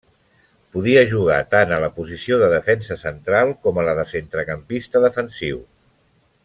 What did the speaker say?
Podia jugar tant a la posició de defensa central com a la de centrecampista defensiu.